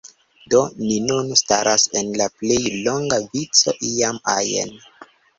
Do, ni nun staras en la plej longa vico iam ajn